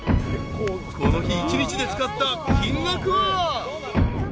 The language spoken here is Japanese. ［この日１日で使った金額は］